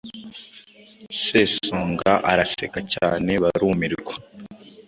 Sesonga araseka cyane barumirwa